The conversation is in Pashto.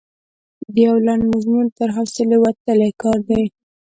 د یو لنډ مضمون تر حوصلې وتلی کار دی.